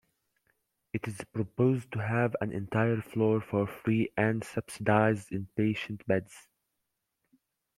It is proposed to have an entire floor for free and subsidised in-patient beds.